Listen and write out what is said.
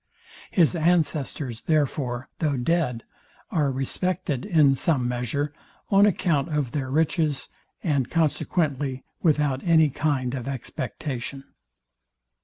His ancestors, therefore, though dead, are respected, in some measure, on account of their riches, and consequently without any kind of expectation.